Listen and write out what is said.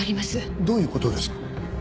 どういう事ですか？